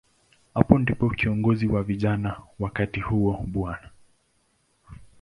Hapo ndipo kiongozi wa vijana wakati huo, Bw.